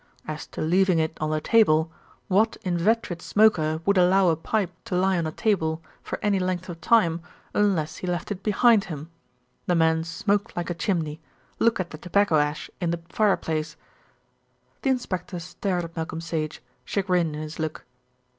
As to leaving it on the table, what inveterate smoker would allow a pipe to lie on a table for any length of time unless he left it behind him? The man smoked like a chimney; look at the tobacco ash in the fireplace." The inspector stared at Malcolm Sage, chagrin in his look.